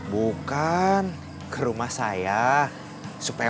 bukan ke rumah saya